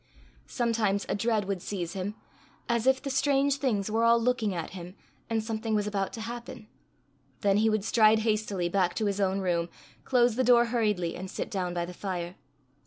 Sometimes a dread would seize him as if the strange things were all looking at him, and something was about to happen; then he would stride hastily back to his own room, close the door hurriedly, and sit down by the fire.